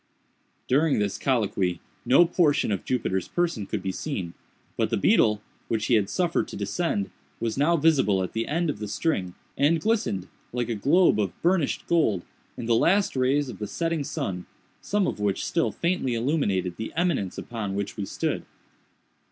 During this colloquy no portion of Jupiter's person could be seen; but the beetle, which he had suffered to descend, was now visible at the end of the string, and glistened, like a globe of burnished gold, in the last rays of the setting sun, some of which still faintly illumined the eminence upon which we stood.